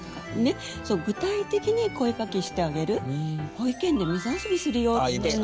「保育園で水遊びするよ」ってね。